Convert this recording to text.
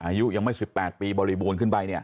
อายุยังไม่๑๘ปีบริบูรณ์ขึ้นไป